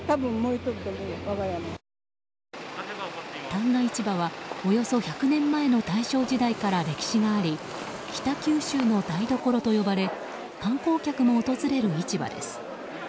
旦過市場はおよそ１００年前の大正時代から歴史があり北九州の台所と呼ばれ観光客も訪れる市場です。